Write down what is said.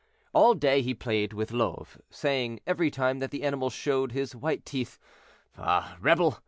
All day he played with Love, saying, every time that the animal showed his white teeth, "Ah, rebel!